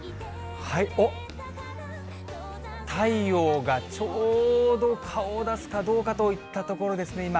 おっ、太陽がちょうど顔を出すかどうかといったところですね、今。